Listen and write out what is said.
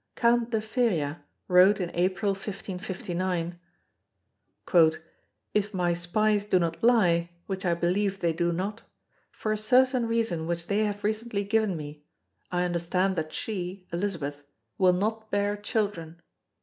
Count de Feria wrote in April, 1559: "If my spies do not lie, which I believe they do not, for a certain reason which they have recently given me, I understand that she [Elizabeth] will not bear children."